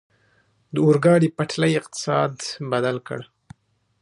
د اورګاډي پټلۍ اقتصاد بدل کړ.